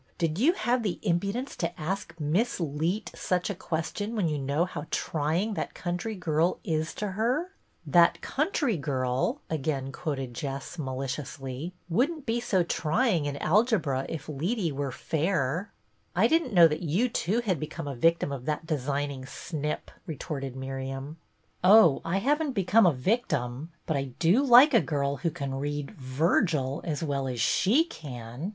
Did you have the im23udence to ask Miss Leet such a question when you know how trying that country girl is to her ?" "'That country girl,' " again quoted Jess, maliciously, " would n't be so trying in alge bra if Leetey were fair." " I did n't know that you too had become a victim of that designing snip," retorted Miriam. " Oh, I have n't become a victim, but I do like a girl who can read — Virgil as well as she can."